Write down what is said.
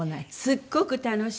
すごく楽しい！